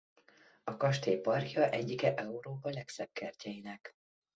A kastély parkja egyike Európa legszebb kertjeinek.